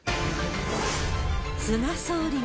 菅総理に。